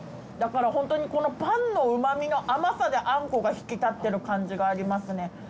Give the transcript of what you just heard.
だからホントにこのパンのうま味の甘さであんこが引き立ってる感じがありますね。